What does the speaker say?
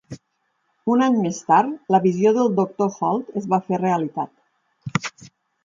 Un any més tard, la visió del doctor Holt es va fer realitat.